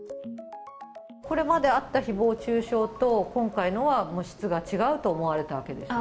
これまであったひぼう中傷と、今回のはもう質が違うと思われたわけですよね？